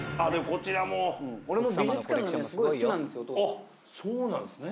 あっそうなんですね。